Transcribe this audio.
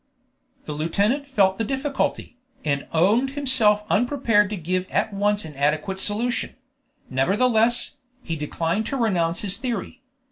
The lieutenant felt the difficulty, and owned himself unprepared to give at once an adequate solution; nevertheless, he declined to renounce his theory.